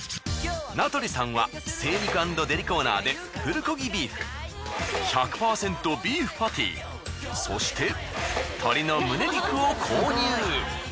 名取さんは精肉＆デリコーナーでプルコギビーフ１００％ビーフパティそして鶏のむね肉を購入。